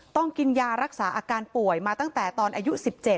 ต้องกินยารักษาอาการป่วยมาตั้งแต่ตอนอายุ๑๗